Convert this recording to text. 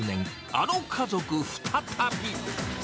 あの家族再び。